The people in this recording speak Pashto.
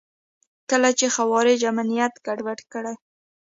کله چې خوارج امنیت ګډوډ کړي.